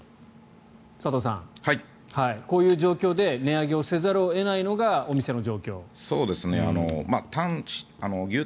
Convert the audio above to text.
こういう状況で値上げをせざるを得ないのがお店の状況という。